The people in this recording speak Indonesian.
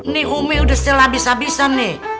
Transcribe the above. nih umi udah setel habis habisan nih